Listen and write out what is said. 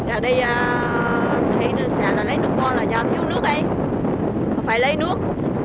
ở đây xạ lấy nước con là do thiếu nước ấy phải lấy nước